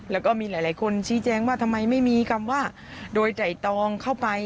แล้วก็มีหลายคนชี้แจงว่าทำไมไม่มีคำว่าโดยใจตองเข้าไป